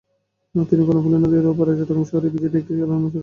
তিনি কর্ণফুলী নদীর ওপারে চট্টগ্রাম শহরের ইপিজেডের একটি কারখানায় চাকরি করেন।